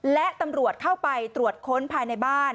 และตำรวจเข้าไปตรวจค้นภายในบ้าน